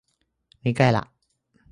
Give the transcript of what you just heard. นี่ใกล้ละ